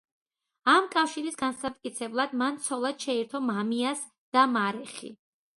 ამ კავშირის განსამტკიცებლად მან ცოლად შეირთო მამიას და მარეხი.